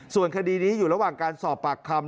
ส่วนคดีนี้อยู่ระหว่างการสอบปากคำ